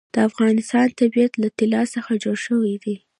د افغانستان طبیعت له طلا څخه جوړ شوی دی.